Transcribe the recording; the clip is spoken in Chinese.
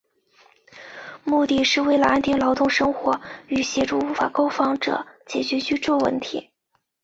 目的是为安定劳工生活与协助无法购屋者解决居住问题。